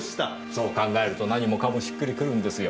そう考えると何もかもしっくりくるんですよ。